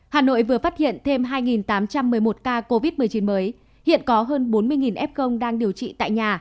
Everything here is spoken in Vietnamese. hà nội vừa phát hiện thêm hai tám trăm một mươi một ca covid một mươi chín mới hiện có hơn bốn mươi f công đang điều trị tại nhà